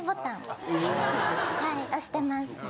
はい押してます。